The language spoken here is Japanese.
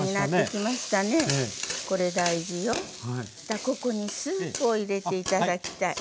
そしたらここにスープを入れて頂きたい。